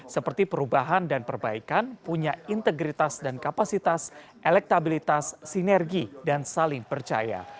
seperti perubahan dan perbaikan punya integritas dan kapasitas elektabilitas sinergi dan saling percaya